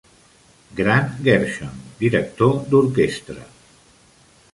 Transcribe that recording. Grant Gershon, director d'orquestra.